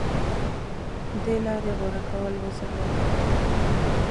دې لارې غوره کول وزر ورکړي